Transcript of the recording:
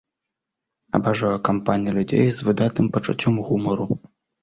Абажаю кампаніі людзей з выдатным пачуццём гумару.